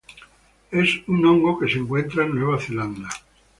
Es un hongo que se encuentra en Nueva Zelanda.